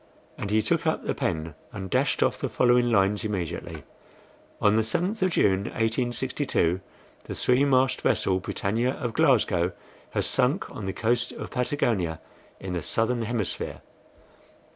And he took up the pen, and dashed off the following lines immediately: "On the 7th of June, 1862, the three mast vessel, BRITANNIA, of Glasgow, has sunk on the coast of Patagonia, in the southern hemisphere.